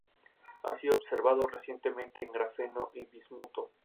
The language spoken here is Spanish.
La localidad fue desalojada debido a la proximidad de la lava.